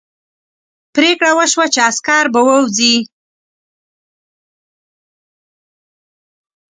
پرېکړه وشوه چې عسکر به ووځي.